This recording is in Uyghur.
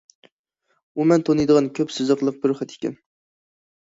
ئۇ مەن تونۇيدىغان كۆپ سىزىقلىق بىر خەت ئىكەن.